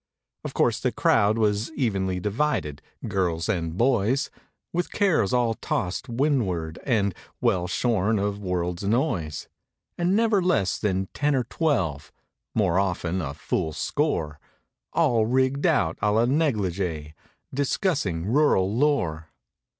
Of course the crowd was even Ly divided—girls and boys With cares all tossed windward and Well shorn of world's annoys; And never less than ten or twelve; (More often a full score) All rigged out a la negligee— Discussing rural lore.